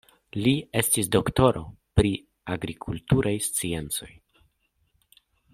Li estis doktoro pri agrikulturaj sciencoj.